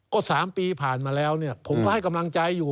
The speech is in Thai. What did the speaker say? ก็๓ปีผ่านมาแล้วเนี่ยผมก็ให้กำลังใจอยู่